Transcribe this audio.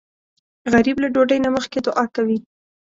غریب له ډوډۍ نه مخکې دعا کوي